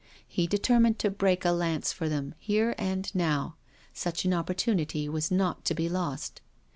He determined to break a lance for them, here and now— such an opportunity was not to be lost.